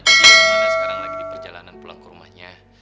jadi rumana sekarang lagi di perjalanan pulang ke rumahnya